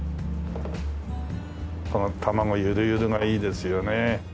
この卵ゆるゆるがいいですよね。